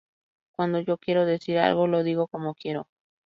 Cuando yo quiero decir algo, lo digo como quiero.